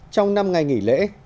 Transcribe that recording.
trong năm ngày nghỉ lễ